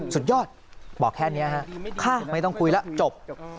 สุดยอดบอกแค่เนี่ยฮะข้าวไม่ต้องคุยล่ะจบ